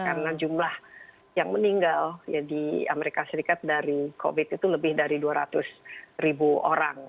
karena jumlah yang meninggal ya di amerika serikat dari covid itu lebih dari dua ratus ribu orang